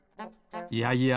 いやいや。